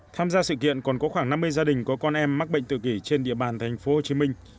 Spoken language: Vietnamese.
tham gia sự kiện còn có khoảng năm mươi gia đình có con em mắc bệnh tự kỳ trên địa bàn tp hcm